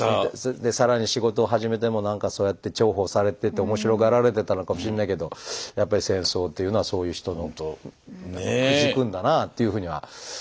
更に仕事を始めても何かそうやって重宝されてて面白がられてたのかもしんないけどやっぱり戦争というのはそういう人のことをくじくんだなあというふうには思いますかね。